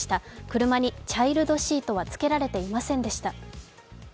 車にチャイルドシートはつけられていませんでした。